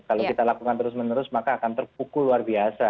kalau kita lakukan terus menerus maka akan terpukul luar biasa